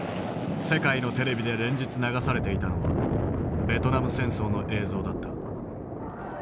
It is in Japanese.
世界のテレビで連日流されていたのはベトナム戦争の映像だった。